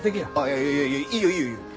いやいやいやいやいいよいいよいいよ。